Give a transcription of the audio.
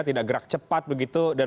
tidak gerak cepat begitu dan